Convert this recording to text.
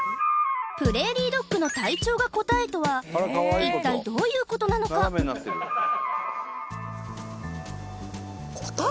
プレーリードッグの体長が答えとは一体どういうことなのか答え？